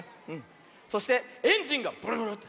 そしてエンジンがブルブルって。